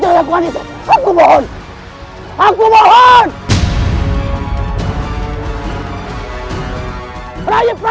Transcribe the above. urusan kita belum selesai